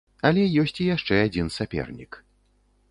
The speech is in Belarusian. Але ёсць і яшчэ адзін сапернік.